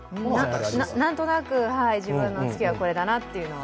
何となく自分の月はこれだなっていうのは。